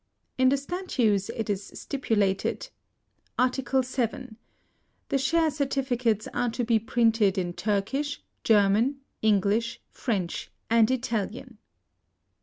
In the statutes it is stipulated :— Article 7. The share certificates ate to Vlll PREFACE. be printed in Turkish, German, English, French, and Italian.